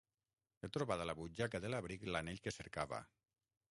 He trobat a la butxaca de l'abric l'anell que cercava.